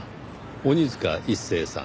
鬼塚一誠さん。